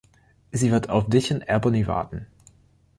Sie wird auf dich in Albany warten.